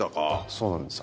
そうなんです。